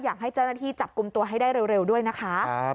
อยากให้เจ้าหน้าที่จับกลุ่มตัวให้ได้เร็วด้วยนะคะ